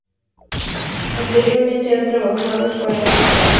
Anteriormente ha trabajado para Chikara.